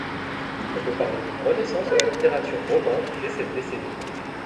On peut parler d'une renaissance de la littérature romande dès cette décennie.